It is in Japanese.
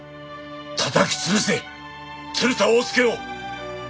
たたき潰せ鶴田翁助を！